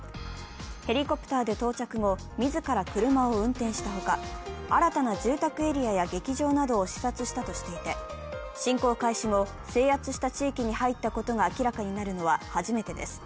ヘリコプターで到着後、自ら車を運転したほか、新たな住宅エリアや劇場などを視察したとしていて、侵攻開始後、制圧した地域に入ったことが明らかになるのは初めてです。